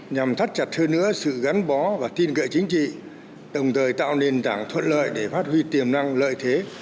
nhằm thắt chặt hơn nữa sự gắn bó và tin cậy chính trị đồng thời tạo nền tảng thuận lợi để phát huy tiềm năng lợi thế